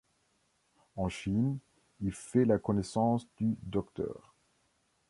En Chine, il fait la connaissance du Dr.